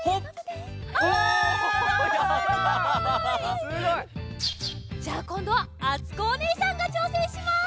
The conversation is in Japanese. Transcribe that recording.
すごい！じゃあこんどはあつこおねえさんがちょうせんします！